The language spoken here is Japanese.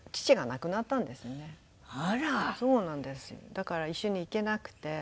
だから一緒に行けなくて。